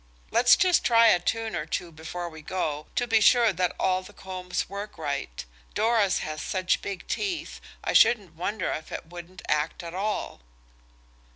Let's just try a tune or two before we go on, to be sure that all the combs work right. Dora's has such big teeth, I shouldn't wonder if it wouldn't act at all."